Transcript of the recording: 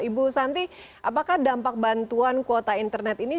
ibu santi apakah dampak bantuan kuota internet ini